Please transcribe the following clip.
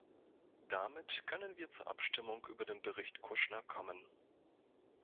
Damit können wir zur Abstimmung über den Bericht Kouchner kommen.